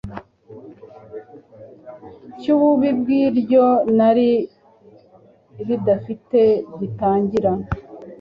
cy’ububi bw’iryo rari ridafite gitangira.